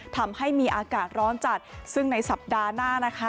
ทำให้มีอากาศร้อนจัดซึ่งในสัปดาห์หน้านะคะ